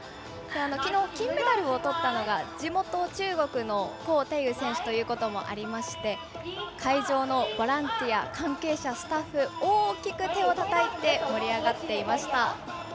きのう、金メダルをとったのが地元・中国の高亭宇選手ということもありまして会場のボランティア関係者、スタッフ大きく手をたたいて盛り上がっていました。